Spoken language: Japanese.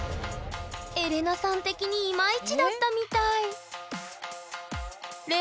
エレナさん的にイマイチだったみたい合わないんだ。